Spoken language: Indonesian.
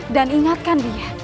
dan ingatkan dia